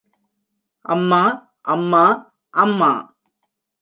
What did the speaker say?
அம்மா, அம்மா, அம்மா!